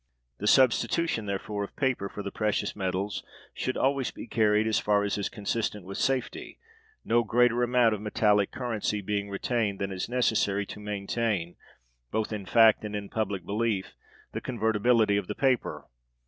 The substitution, therefore, of paper for the precious metals should always be carried as far as is consistent with safety, no greater amount of metallic currency being retained than is necessary to maintain, both in fact and in public belief, the convertibility of the paper.